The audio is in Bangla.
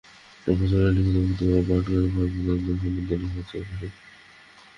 সংবাদ সম্মেলনে লিখিত বক্তব্য পাঠ করেন ভারপ্রাপ্ত আন্দোলন সম্পাদক রেখা চৌধুরী।